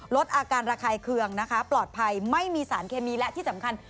ลดอาการระคายเคืองนะคะปลอดภัยไม่มีสารเคมีและที่สำคัญ